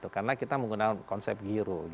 karena kita menggunakan konsep giro